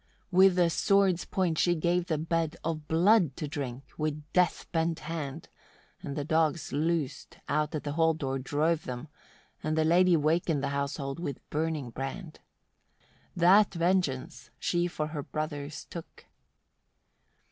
41. With the sword's point she gave the bed of blood to drink with death bent hand, and the dogs loosed, out at the hall door drove them, and the lady wakened the household with burning brand. That vengeance she for her brothers took.